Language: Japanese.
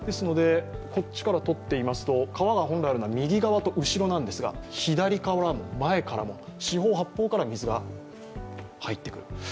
手前から撮ってみますと川が本来なら後ろ側なんですが左からも前からも、四方八方から水が入ってくる。